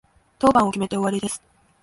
当番を決めて終わりです。